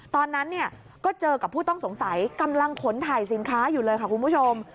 ตอนนั้นเนี่ยก็เจอกับผู้ต้องสงสัยกำลังขนถ่ายสินค้าอยู่เลยค่ะคุณผู้ชม